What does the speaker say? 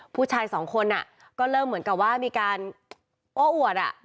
ผู้ชายสองคนก็เริ่มเหมือนกับว่ามีการโอ้อวดอ่ะ